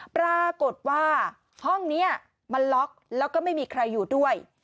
ปรากฏว่าห้องนี้มันล็อกแล้วก็ไม่มีใครอยู่ด้วย